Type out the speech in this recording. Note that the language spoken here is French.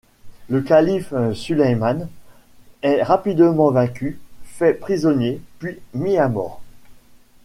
Le calife Sulayman est rapidement vaincu, fait prisonnier puis mis à mort.